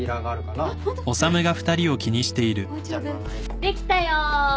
できたよ。